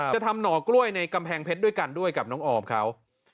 จะทำหน่อกล้วยในกำแพงเพชรด้วยกันด้วยกับน้องออมเขา